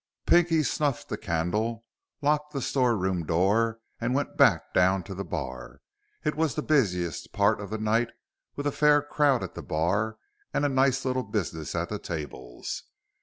Pinky snuffed the candle, locked the storeroom door, and went back down to the bar. It was the busiest part of the night with a fair crowd at the bar and a nice little business at the tables.